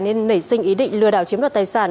nên nảy sinh ý định lừa đảo chiếm đoạt tài sản